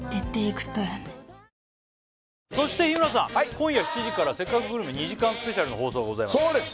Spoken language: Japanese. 今夜７時から「せっかくグルメ！！」２時間スペシャルの放送がございますそうです！